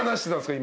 今。